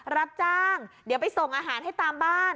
รับจ้างเดี๋ยวไปส่งอาหารให้ตามบ้าน